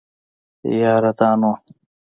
يره دا نو.